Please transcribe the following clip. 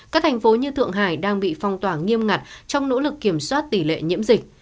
các thành phố như thượng hải đang bị phong tỏa nghiêm ngặt trong nỗ lực kiểm soát tỷ lệ nhiễm dịch